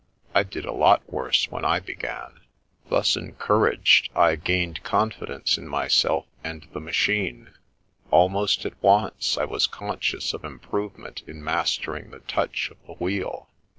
I did a lot worse when I began." Thus encouraged, I gained confidence in myself and the machine. Almost at once, I was conscious of improvement in mastering the touch of the wheel.